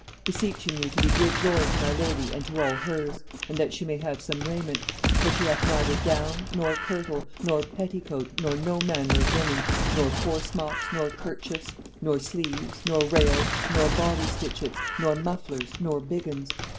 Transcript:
Beseeching you to be good lord to my lady and to all hers; and that she may have some rayment. For she hath neither gown, nor kirtle, nor petticoat, nor no manner of linen, nor foresmocks, nor kerchiefs, nor sleeves, nor rails, nor body stitchets, nor mufflers, nor biggins.